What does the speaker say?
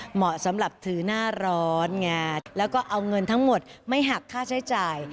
เหมาะสำหรับถือหน้าร้อนไงแล้วก็เอาเงินทั้งหมดไม่หักค่าใช้จ่าย